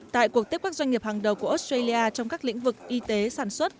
tại cuộc tiếp các doanh nghiệp hàng đầu của australia trong các lĩnh vực y tế sản xuất